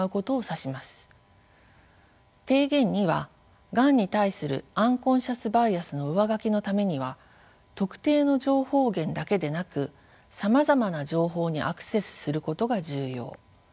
提言２はがんに対するアンコンシャスバイアスの上書きのためには特定の情報源だけでなくさまざまな情報にアクセスすることが重要。